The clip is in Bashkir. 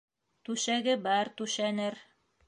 Түшәге бар түшәнер